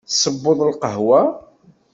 Tesseweḍ lqahwa?